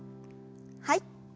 はい。